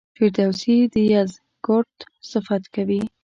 فردوسي د یزدګُرد صفت کوي.